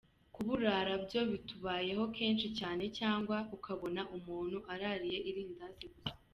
Kuburara byo bitubayeho kenshi cyane cyangwa ukabona umuntu arariye irindazi gusa.